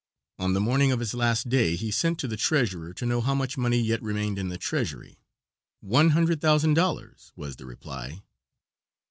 On the morning of his last day he sent to the treasurer to know how much money yet remained in the treasury. "One hundred thousand dollars," was the reply.